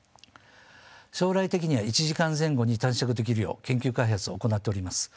将来的には１時間前後に短縮できるよう研究開発を行っております。